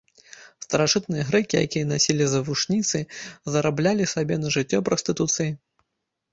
Старажытныя грэкі, якія насілі завушніцы, зараблялі сабе на жыццё прастытуцыяй.